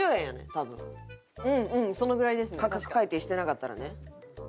価格改定してなかったらね。